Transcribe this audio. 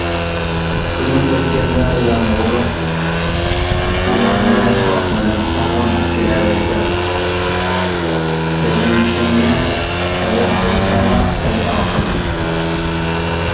كۈنۈم ئۆتكەندە يامغۇرلۇق ئۈنۈمنى باقمىدىڭ ئاڭلاپ بىلەلەيسەن سېغىنچىمنى ھايات بولساڭلا، ئەي ئاقىل.